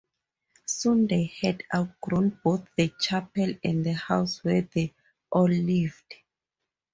Soon they had outgrown both the chapel and the house where they all lived.